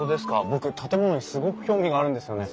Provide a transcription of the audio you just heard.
僕建物にすごく興味があるんですよね。